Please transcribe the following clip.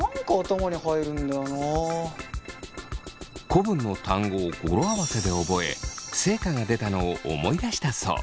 古文の単語を語呂合わせで覚え成果が出たのを思い出したそう。